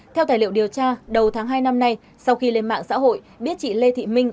theo tài liệu điều tra đầu tháng hai năm nay sau khi lên mạng xã hội biết chị lê thị minh